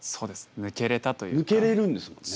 抜けれるんですもんね。